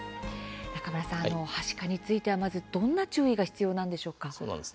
中村さん、はしかについてはどのような注意が必要なのでしょうか。